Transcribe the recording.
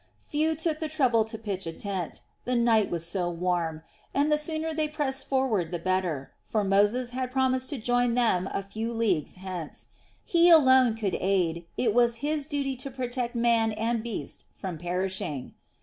Few took the trouble to pitch a tent. The night was so warm, and the sooner they pressed forward the better, for Moses had promised to join them a few leagues hence. He alone could aid, it was his duty to protect man and beast from perishing.